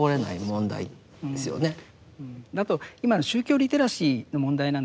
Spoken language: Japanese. あと今の宗教リテラシーの問題なんですけどね